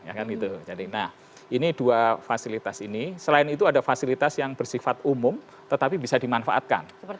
nah ini dua fasilitas ini selain itu ada fasilitas yang bersifat umum tetapi bisa dimanfaatkan